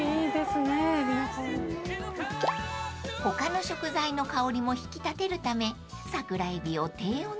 ［他の食材の香りも引き立てるため］